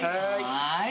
はい。